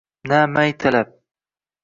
na may talab —